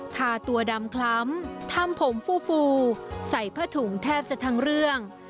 ทาตัวดำคล้ำทำผมฟูฟูใส่ผ้าถุงแทบจะทั้งเรื่อง